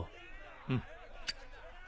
うん。